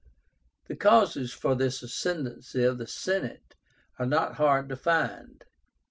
The causes for this ascendency of the Senate are not hard to find.